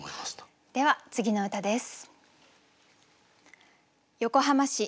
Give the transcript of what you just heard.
では次の歌です。